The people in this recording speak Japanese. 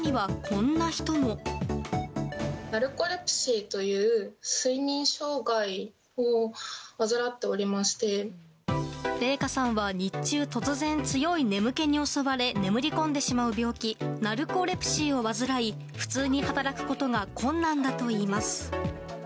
れいかさんは日中、突然強い眠気に襲われ眠り込んでしまう病気ナルコレプシーを患い普通に働くことが困難だといいます。